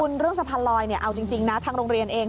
คุณเรื่องสะพานลอยเนี่ยเอาจริงนะทางโรงเรียนเอง